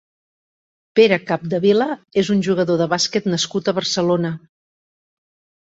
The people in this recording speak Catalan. Pere Capdevila és un jugador de bàsquet nascut a Barcelona.